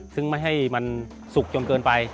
ซึ่งไม่ให้มันสุกจนเกินไป